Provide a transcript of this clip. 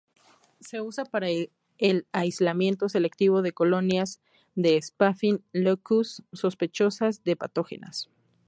Se usa para el aislamiento selectivo de colonias de "Staphylococcus" sospechosas de ser patógenas.